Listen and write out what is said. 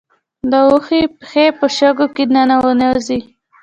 د اوښ پښې په شګو کې نه ننوځي